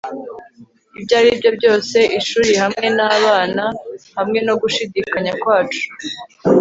Ibyo ari byo byose ishuri hamwe nabana hamwe no gushidikanya kwacu